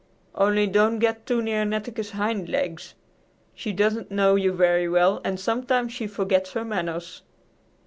"Only don't get too near Netteke's hind legs. She doesn't know you very well and sometimes she forgets her manners."